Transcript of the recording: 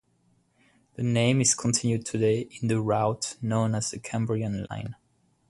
The name is continued today in the route known as the Cambrian Line.